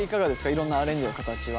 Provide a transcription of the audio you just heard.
いろんなアレンジの形は。